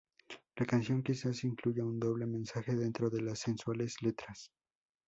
La canción quizás incluya un doble mensaje dentro de las sensuales letras.